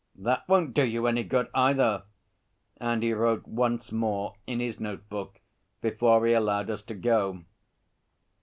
'That won't do you any good either,' and he wrote once more in his note book before he allowed us to go.